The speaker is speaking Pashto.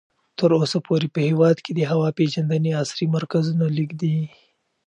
تر اوسه پورې په هېواد کې د هوا پېژندنې عصري مرکزونه لږ دي.